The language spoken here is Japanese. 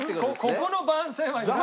ここの番宣はいらないの。